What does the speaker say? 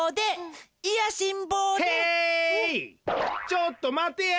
ちょっとまてや！